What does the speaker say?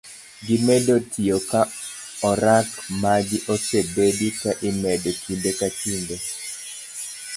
Gimedo tiyo ka orak magi osebedi ka imedo kinde ka kinde